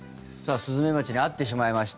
スズメバチに遭ってしまいました。